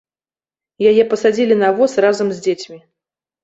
Яе пасадзілі на воз разам з дзецьмі.